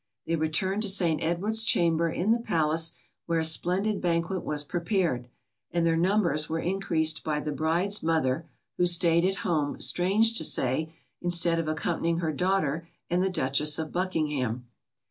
They returned to St. Edward's Chamber in the palace, where a splendid banquet was prepared, and their numbers were increased by the bride's mother, who staid at home, strange to say, instead of accompanying her daughter and the Duchess of Buckingham.